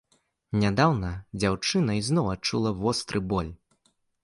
Нядаўна дзяўчына ізноў адчула востры боль.